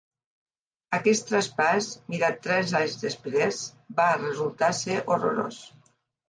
Aquest traspàs, mirat tres anys després, va resultar ser horrorós.